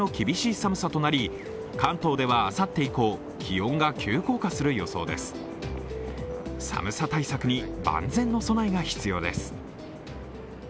寒さ対策に万全の備えが必要です。